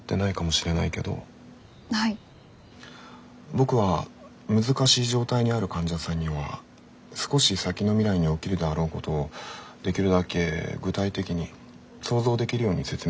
僕は難しい状態にある患者さんには少し先の未来に起きるであろうことをできるだけ具体的に想像できるように説明するようにしています。